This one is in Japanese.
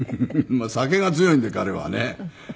酒が強いんで彼はね。